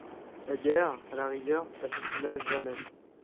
La guerre, à la rigueur ; l'assassinat, jamais.